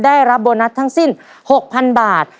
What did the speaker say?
ได้รับโบนัสทั้งสิ้น๖๐๐๐บาท